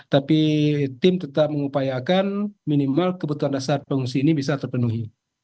tapi tim tetap mengupayakan minimal kebutuhan dasar pengungsi ini bisa terpenuhi